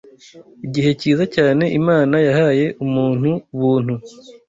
igihe cyiza cyane Imana yahaye umuntu buntu